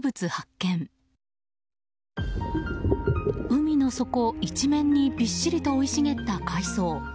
海の底一面にびっしりと生い茂った海草。